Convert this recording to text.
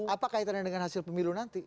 apa kaitannya dengan hasil pemilu nanti